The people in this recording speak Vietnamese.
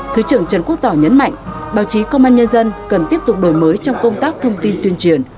thứ trưởng trần quốc tỏ nhấn mạnh báo chí công an nhân dân cần tiếp tục đổi mới trong công tác thông tin tuyên truyền